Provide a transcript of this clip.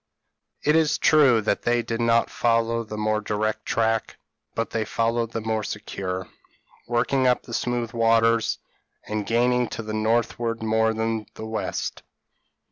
It is true that they did not follow the more direct track, but they followed the more secure, working up the smooth waters, and gaining to the northward more than to the west.